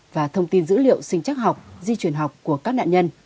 và thông tin dữ liệu sinh chắc học di truyền học của các nạn nhân